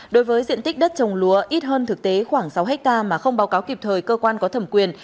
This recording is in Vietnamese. đối với diện tích đất trồng lúa ít hơn thực tế khoảng sáu hectare mà không báo cáo kịp thời cơ quan có thẩm quyền